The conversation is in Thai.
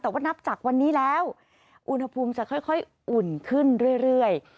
แต่ว่านับจากวันนี้แล้วอุณหภูมิจะค่อยอุ่นขึ้นเรื่อย